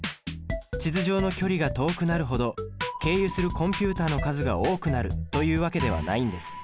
地図上の距離が遠くなるほど経由するコンピュータの数が多くなるというわけではないんです。